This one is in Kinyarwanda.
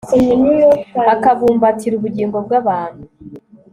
akabumbatira ubugingo bw'abantu